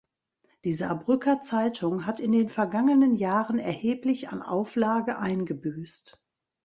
Die "Saarbrücker Zeitung" hat in den vergangenen Jahren erheblich an Auflage eingebüßt.